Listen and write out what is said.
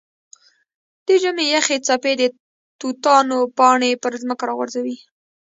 د ژمي یخې څپې د توتانو پاڼې پر ځمکه راغورځوي.